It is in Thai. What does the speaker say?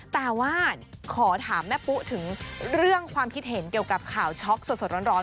แต่ว่าขอถามแม่ปุ๊ถึงเรื่องความคิดเห็นเกี่ยวกับข่าวช็อกสดร้อน